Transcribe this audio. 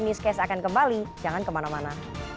newscast akan kembali jangan kemana mana